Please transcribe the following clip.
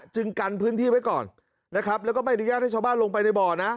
กันพื้นที่ไว้ก่อนนะครับแล้วก็ไม่อนุญาตให้ชาวบ้านลงไปในบ่อนะ